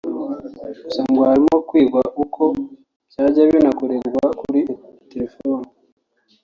gusa ngo harimo kwigwa uko byajya binakorerwa kuri terefone